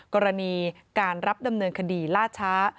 กรณีการรับดำเนินคดีล่าช้า